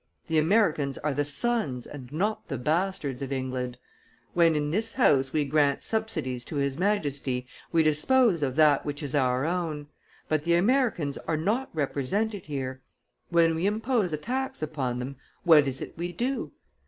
The Americans are the sons and not the bastards of England. ... When in this House we grant subsidies to his Majesty, we dispose of that which is our own; but the Americans are not represented here: when we impose a tax upon them, what is it we do?